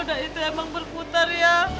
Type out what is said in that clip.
udah itu emang berputar ya